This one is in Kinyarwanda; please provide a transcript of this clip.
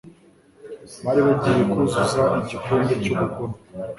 Bari bagiye kuzuza igikombe cy'ubugome